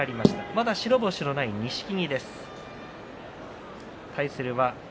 まだ白星のない錦木。